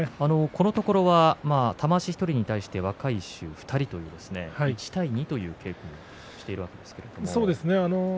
このところは玉鷲１人に対して若い衆２人という１対２の稽古をしているわけですけれども。